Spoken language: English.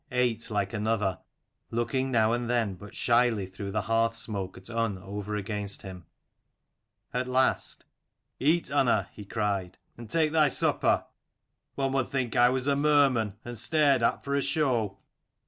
'^^^^^fC ate like another, looking now and then but shyly through the hearth smoke at Unn over 1 against him. At last "Eat, Unna!" he cried, "and take thy supper. One would think I was a merman, and stared at for a show.